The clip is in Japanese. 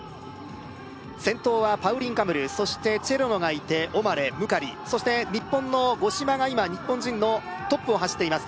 先頭はパウリン・カムルそしてチェロノがいてオマレムカリそして日本の五島が今日本人のトップを走っています